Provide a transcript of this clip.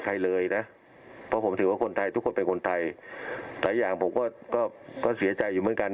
หลายอย่างผมก็เสียใจอยู่เหมือนกัน